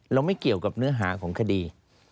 ไม่เกี่ยวกับเนื้อหาของคดี